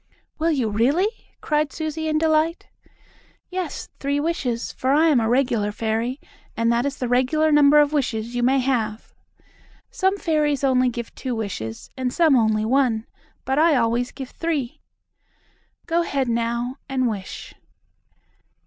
"Will you, really?" cried Susie in delight. "Yes, three wishes, for I am a regular fairy, and that is the regular number of wishes you may have. Some fairies only give two wishes, and some only one. But I always give three. Go ahead now, and wish."